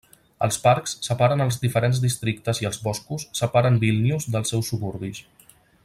Els parcs separen els diferents districtes i els boscos separen Vílnius dels seus suburbis.